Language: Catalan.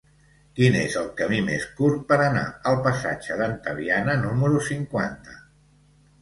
Quin és el camí més curt per anar al passatge d'Antaviana número cinquanta?